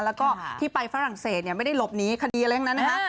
แล้วก็ที่ไปฝรั่งเศสไม่ได้หลบหนีคดีอะไรทั้งนั้นนะคะ